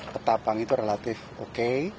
ketapang itu relatif oke